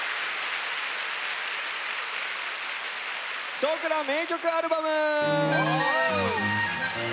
「少クラ名曲アルバム」！